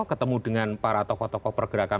ketemu dengan para tokoh tokoh pergerakan